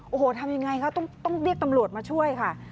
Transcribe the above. โอ้โหทำยังไงคะต้องเรียกตำรวจมาช่วยค่ะ